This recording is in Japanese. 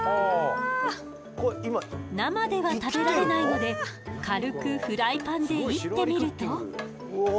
生では食べられないので軽くフライパンで煎ってみると。